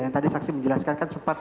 yang tadi saksi menjelaskan kan sempat